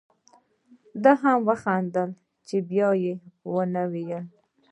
ده هم وخندل چې بیا و نه وایې.